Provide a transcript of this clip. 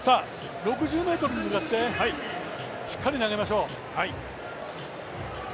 ６０ｍに向かってしっかり投げましょう。